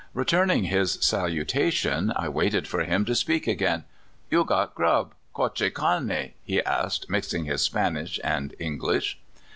Returning his salutation, I w^aited for him to speak again. " You got grub — coche came? " he asked, mix ing his Spanish and English.